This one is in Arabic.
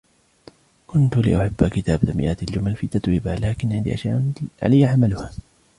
كنتُ لأحب كتابة مئات الجمل في تتويبا ، لكن ، عندي أشياء عليّ عملها.